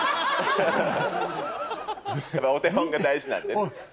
お手本が大事なんでね。